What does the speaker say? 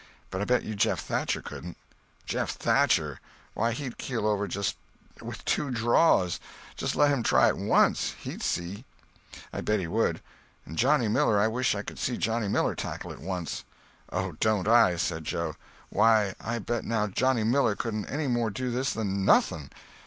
But I bet you Jeff Thatcher couldn't." "Jeff Thatcher! Why, he'd keel over just with two draws. Just let him try it once. He'd see!" "I bet he would. And Johnny Miller—I wish could see Johnny Miller tackle it once." "Oh, don't I!" said Joe. "Why, I bet you Johnny Miller couldn't any more do this than nothing.